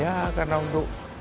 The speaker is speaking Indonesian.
ya karena untuk